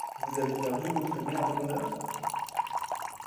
Vous avez perdu votre mère de bonne heure?